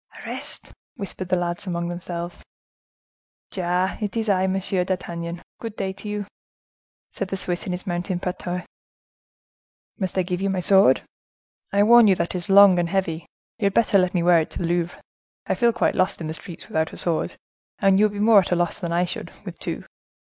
"Arrest!" whispered the lads among themselves. "Ja, it is I, Monsieur d'Artagnan! Good day to you!" said the Swiss, in his mountain patois. "Must I give you up my sword? I warn you that it is long and heavy; you had better let me wear if to the Louvre: I feel quite lost in the streets without a sword, and you would be more at a loss that I should, with two."